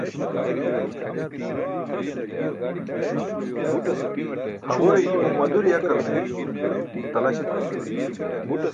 Haġure i̇ymo madur yakalne talaś etum juwan.